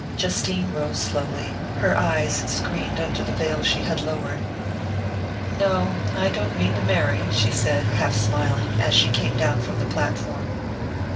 Justine rose slowly, her eyes screened under the veil she had lowered. "No I don't mean to marry," she said, half smiling, as she came down from the platform.